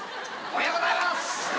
おはようございます。